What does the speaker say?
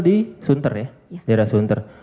di sunter ya daerah sunter